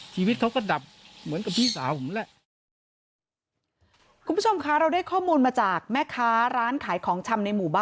ชีวิตเขาก็ดับเหมือนกับพี่สาวผมแหละ